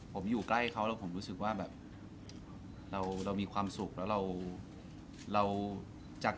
ผมอยู่ใกล้เขาแล้วผมรู้สึกว่าแบบเราเรามีความสุขแล้วเราจาก